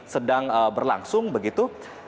sedang berlangsung begitu